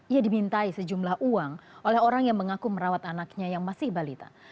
ia dimintai sejumlah uang oleh orang yang mengaku merawat anaknya yang masih balita